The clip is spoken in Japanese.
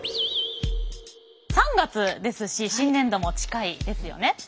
３月ですし新年度も近いですよね。